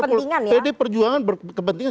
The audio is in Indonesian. pdi perjuangan berkepentingan